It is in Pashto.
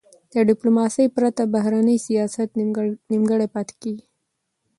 د ډیپلوماسی پرته، بهرنی سیاست نیمګړی پاته کېږي.